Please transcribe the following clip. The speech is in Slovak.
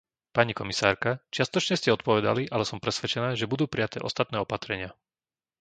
Pani komisárka, čiastočne ste odpovedali, ale som presvedčená, že budú prijaté ostatné opatrenia.